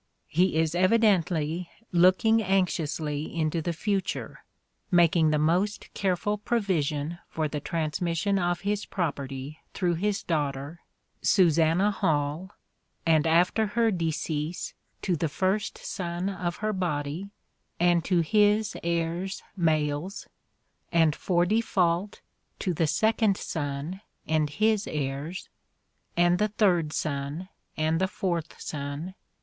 He is evidently looking anxiously into the future, making the most careful provision for the transmission of his property through his 40 " SHAKESPEARE " IDENTIFIED daughter " Susanna Hall ... and after her decease to the first sonne of her bodie ... and to (his) heires males, ... and for defalt ... to the second sonne and (his) heires ... and the third sonne ... and the fourth sonne